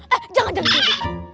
eh jangan jangan